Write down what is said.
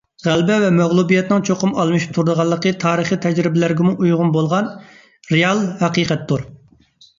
غەلىبە ۋە مەغلۇبىيەتنىڭ چوقۇم ئالمىشىپ تۇرىدىغانلىقى تارىخىي تەجرىبىلەرگىمۇ ئۇيغۇن بولغان رېئال ھەقىقەتتۇر.